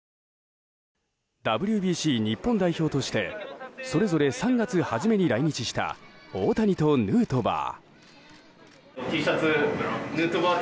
ＷＢＣ日本代表としてそれぞれ３月初めに来日した大谷とヌートバー。